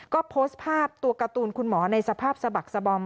ก็โพสต์ภาพตัวการ์ตูนคุณหมอในสภาพสะบักสบอม